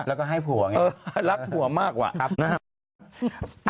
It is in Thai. แล้วก็ให้ผัวรักผัวมากกว่า